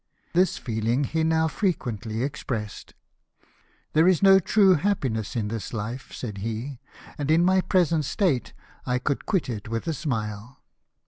This feeling he now frequently expressed. " There is no true happiness in this life," said he ;" and in my present state I could quit it with a smile."